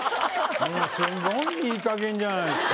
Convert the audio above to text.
もうすごいいいかげんじゃないですか。